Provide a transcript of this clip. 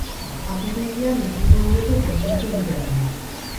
Apirilean ekingo diote kontzertu birari.